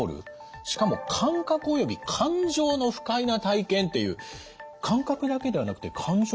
しかも「感覚および感情の不快な体験」っていう感覚だけではなくて感情も不快。